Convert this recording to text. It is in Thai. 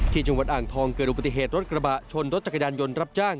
จังหวัดอ่างทองเกิดอุบัติเหตุรถกระบะชนรถจักรยานยนต์รับจ้าง